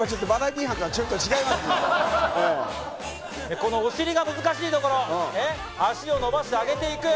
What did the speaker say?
このお尻が難しいところ足を伸ばして上げていく。